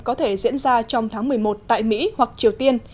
có thể diễn ra trong tháng một mươi một tại mỹ hoặc triều tiên